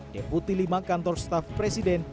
deputi lima kantor staff presiden